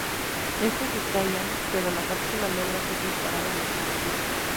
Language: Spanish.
Estos estallan, pero la cápsula logra ser disparada a la superficie.